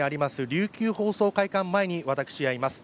琉球放送会館前に私はいます。